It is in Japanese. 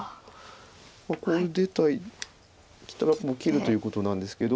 こう出てきたら切るということなんですけど。